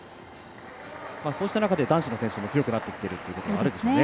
そうした中で男子の選手も強くなってきたというのもあるでしょうね。